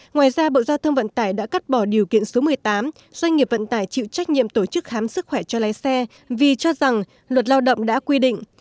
ngoài ra bộ giao thông vận tải đã cắt bỏ điều kiện số một mươi tám doanh nghiệp vận tải chịu trách nhiệm tổ chức khám sức khỏe cho lái xe vì cho rằng luật lao động đã quy định